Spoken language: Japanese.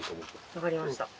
分かりました。